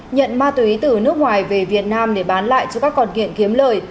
nhận ma túy từ nước ngoài về việt nam để bán lại cho các còn nghiện kiếm lời